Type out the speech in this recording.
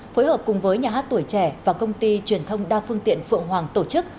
phối hợp cùng với nhà hát tuổi trẻ và công ty truyền thông đa phương tiện phượng hoàng tổ chức